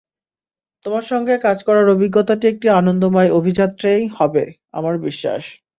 তোমার সঙ্গে কাজ করার অভিজ্ঞতাটি একটি আনন্দময় অভিযাত্রাই হবে, আমার বিশ্বাস।